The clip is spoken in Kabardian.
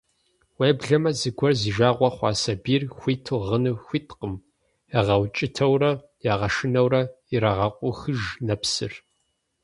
Уеблэмэ зыгуэр зи жагъуэ хъуа сабийр хуиту гъыну хуиткъым, ягъэукӀытэурэ, ягъэшынэурэ ирагъэкъухыж нэпсыр.